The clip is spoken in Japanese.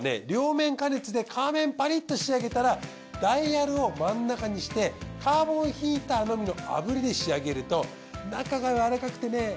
両面加熱で皮面パリッと仕上げたらダイヤルを真ん中にしてカーボンヒーターのみの炙りで仕上げると中がやわらかくてね